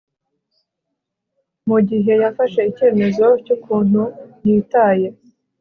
Mugihe yafashe icyemezo cyukuntu yitaye